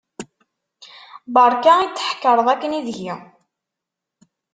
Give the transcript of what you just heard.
Berka i d-tḥekkreḍ akken deg-i.